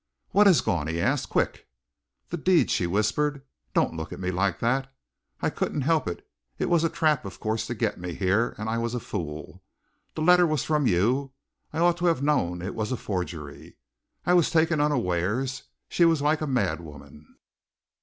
"What has gone?" he asked. "Quick!" "The deed!" she whispered. "Don't look at me like that. I couldn't help it. It was a trap, of course, to get me here, and I was a fool. The letter was from you, but I ought to have known that it was a forgery. I was taken unawares. She was like a madwoman.